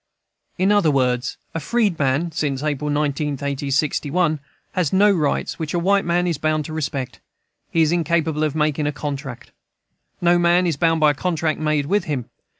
In other words, a freedman (since April 19, 1861) has no rights which a white man is bound to respect. He is incapable of making a contract No man is bound by a contract made with him.